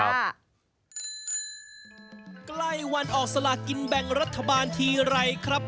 ใกล้วันออกสลากินแบ่งรัฐบาลทีไรครับ